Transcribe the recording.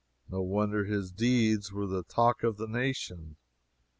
No wonder His deeds were the talk of the nation.